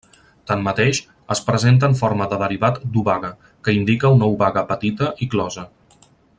Tanmateix, es presenta en forma de derivat d'obaga, que indica una obaga petita i closa.